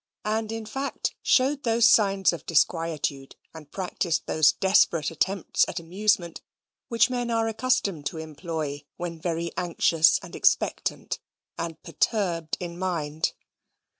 and in fact showed those signs of disquietude, and practised those desperate attempts at amusement, which men are accustomed to employ when very anxious, and expectant, and perturbed in mind.